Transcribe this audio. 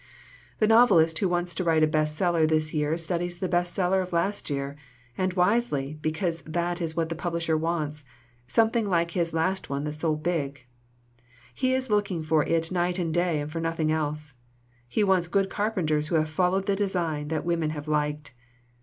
"The novelist who wants to write a best seller this year studies the best seller of last year, and wisely, because that is what the publisher wants something like his last one that sold big. He 104 SOME HARMFUL INFLUENCES is looking for it night and day and for nothing else. He wants good carpenters who have fol lowed the design that women have liked.